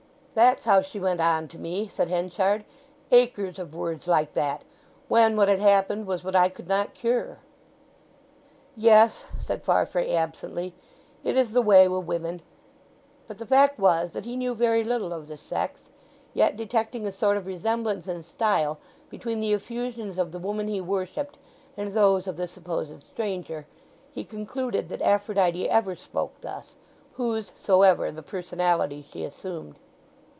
'" "That's how she went on to me," said Henchard, "acres of words like that, when what had happened was what I could not cure." "Yes," said Farfrae absently, "it is the way wi' women." But the fact was that he knew very little of the sex; yet detecting a sort of resemblance in style between the effusions of the woman he worshipped and those of the supposed stranger, he concluded that Aphrodite ever spoke thus, whosesoever the personality she assumed.